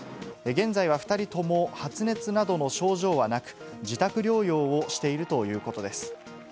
現在は２人とも発熱などの症状はなく、自宅療養をしているということです。